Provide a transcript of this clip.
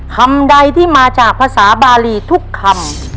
คำใดที่มาจากภาษาบาลีทุกคำ